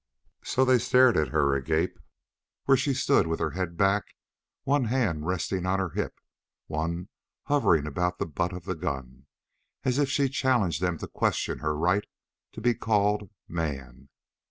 So they stared at her agape, where she stood with her head back, one hand resting on her hip, one hovering about the butt of the gun, as if she challenged them to question her right to be called "man."